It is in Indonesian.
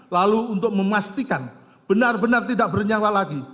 lalu untuk memastikan benar benar tidak bernyawa lagi